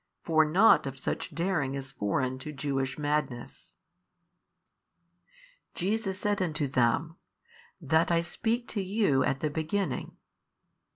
For nought of such daring is foreign to Jewish madness. Jesus said unto them, That I speak to you at the beginning.